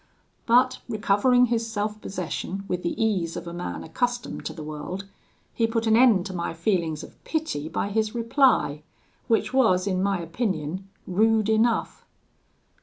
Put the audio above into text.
But recovering his self possession with the ease of a man accustomed to the world, he put an end to my feelings of pity by his reply, which was, in my opinion, rude enough.